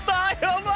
はい。